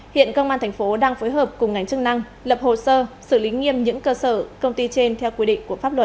hiện công an thành phố đang phối hợp cùng ngành chức năng lập hồ sơ xử lý nghiêm những cơ sở công ty trên theo quy định của pháp luật